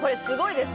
すごい。